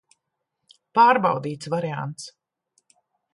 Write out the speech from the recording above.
Pārbaudīts variants.